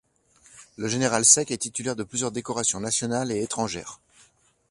Le général Seck est titulaire de plusieurs décorations nationales et étrangères.